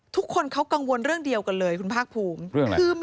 ทุกคนเขากังวลเรื่องเดียวกันเลยคุณพรรคภูมิเรื่องอะไร